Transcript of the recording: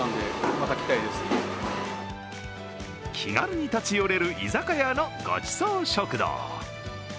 気軽に立ち寄れる居酒屋のごちそう食堂。